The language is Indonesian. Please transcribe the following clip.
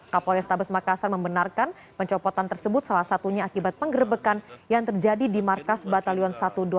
kapolres tabes makassar membenarkan pencopotan tersebut salah satunya akibat penggerbekan yang terjadi di markas batalion satu ratus dua belas